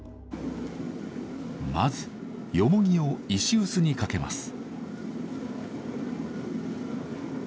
まずヨモギを石臼にかけます。